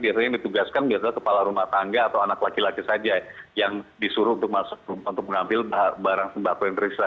biasanya yang ditugaskan biasanya kepala rumah tangga atau anak laki laki saja yang disuruh untuk mengambil barang sembako yang teriksa